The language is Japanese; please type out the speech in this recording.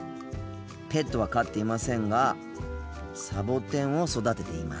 ペットは飼っていませんがサボテンを育てています。